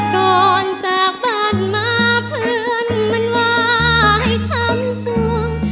ก่อนจากบ้านมาเพื่อนมันว่าให้ทำส่วง